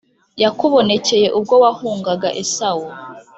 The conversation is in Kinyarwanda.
yakubonekeye ubwo wahungaga Esawu